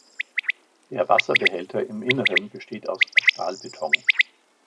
Der Wasserbehälter im Inneren besteht aus Stahlbeton.